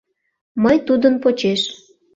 Мый — тудын почеш.